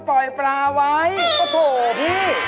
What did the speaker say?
ปล่อยปลาไว้ก็โทษพี่